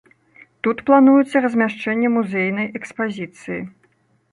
Тут плануецца размяшчэнне музейнай экспазіцыі.